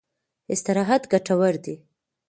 استراحت ګټور دی.